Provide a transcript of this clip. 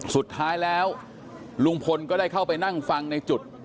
สุดท้ายแล้วลุงพลก็ได้เข้าไปนั่งฟังในจุด